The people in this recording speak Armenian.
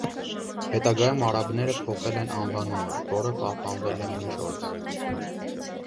Հետագայում արաբները փոխել են անվանումը, որը և պահպանվել է մինչ օրս։